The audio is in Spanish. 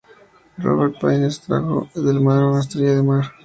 Robert T. Paine extrajo del mar una estrella de mar.